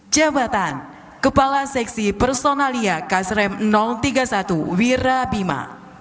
jabatan kepala seksi personalia ksrem tiga puluh satu wirabima